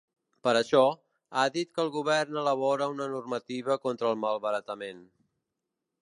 Per això, ha dit que el govern elabora una normativa contra el malbaratament.